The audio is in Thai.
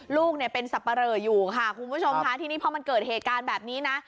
ลูกเนี่ยเป็นสับปะเหลออยู่ค่ะคุณผู้ชมค่ะทีนี้พอมันเกิดเหตุการณ์แบบนี้นะ